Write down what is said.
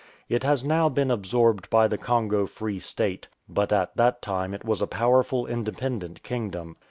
It has now been absorbed by the Congo Free State, but at that time it was a powerful independent kingdom.